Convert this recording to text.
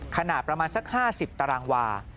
ขนาดประมาณสัก๕๐ตารางวา